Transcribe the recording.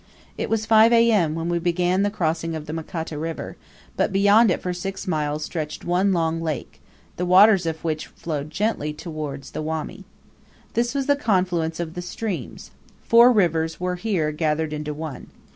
It was 5 A.M. when we began the crossing of the Makata River, but beyond it for six miles stretched one long lake, the waters of which flowed gently towards the Wami. This was the confluence of the streams: four rivers were here gathered into one.